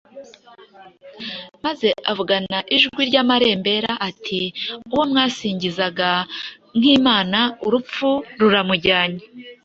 maze avugana ijwi ry’amarembera ati: “Uwo mwasingizaga nk’imana urupfu ruramujyanye.”